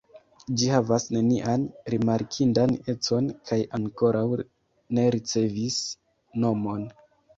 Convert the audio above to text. Ĝi havas nenian rimarkindan econ kaj ankoraŭ ne ricevis nomon.